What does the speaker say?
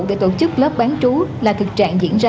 để tổ chức lớp bán chú là thực trạng diễn ra